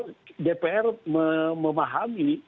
ada dpr memahami